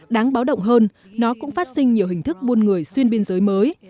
đáng báo động hơn nó cũng phát sinh nhiều hình thức buôn người xuyên biên giới mới